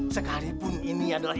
sekalipun ini adalah